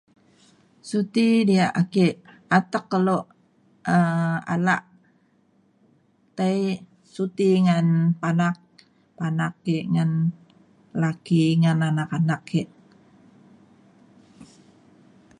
suti diak ake atek kelo um alak tai suti ngan panak panak ke ngan laki ngan anak anak ke.